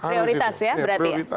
prioritas ya berarti ya